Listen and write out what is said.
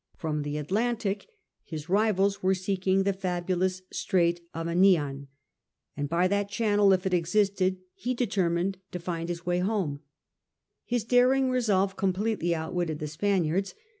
From the Atlantic his rivals were seeking the fabulous Strait of Anian, and by that channel, if it existed, he determined to find his way homa His daring resolve completely outwitted the Span iards.